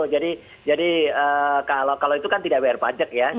jadi kalau itu kan tidak bayar pajak ya